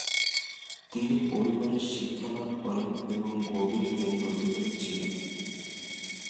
তিনি পরিবারে শিক্ষালাভ করেন এবং গভীর জ্ঞানের অধিকারী ছিলেন।